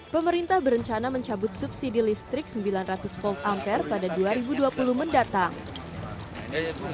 pemerintah berencana mencabut subsidi listrik sembilan ratus volt ampere pada dua ribu dua puluh mendatang